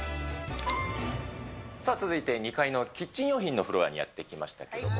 さあ、続いて２階のキッチン用品のフロアにやって来ましたけれども。